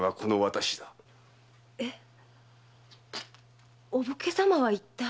えっお武家様は一体？